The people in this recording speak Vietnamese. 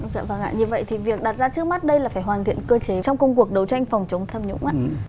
dạ vâng ạ như vậy thì việc đặt ra trước mắt đây là phải hoàn thiện cơ chế trong công cuộc đấu tranh phòng chống tham nhũng